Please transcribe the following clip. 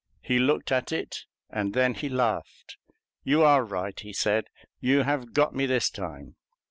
He looked at it, and then he laughed. "You are right," he said; "you have got me this time."